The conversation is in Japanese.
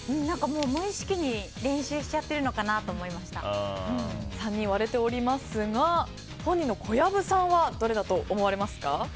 無意識に練習しちゃっているのかなと３人、割れておりますが本人の小籔さんはどれだと思われますか？